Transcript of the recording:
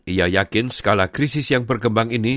ia yakin skala krisis yang berkembang ini